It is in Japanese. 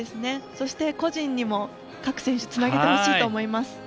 そして個人にも各選手つなげてほしいと思います。